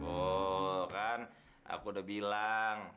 oh kan aku udah bilang